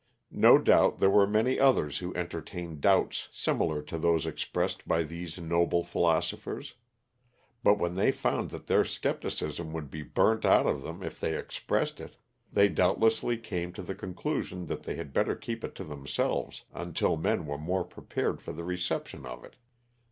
No doubt there were many others who entertained doubts similar to those expressed by these noble philosophers; but when they found that their scepticism would be burnt out of them if they expressed it, they doubtlessly came to the conclusion that they had better keep it to themselves until men were more prepared for the reception of it.